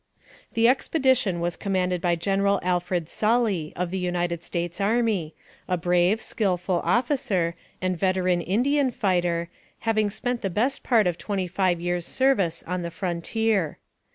The expedition was commanded by General Alfred Sully, of the United States Army, a brave, skillful officer, and veteran Indian fighter, having spent the best part of twenty five years' service on the frontier.